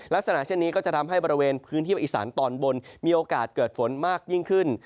ลักษณะเช่นนี้ก็จะทำให้บริเวณพื้นที่ประอิสานตอนบนมีโอกาสเกิดฝนมากยิ่งขึ้น